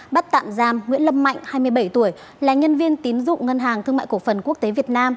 bắt tạm giam nguyễn lâm mạnh hai mươi bảy tuổi là nhân viên tín dụng ngân hàng thương mại cổ phần quốc tế việt nam